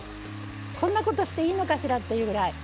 こんなことしていいのかしらっていうくらい。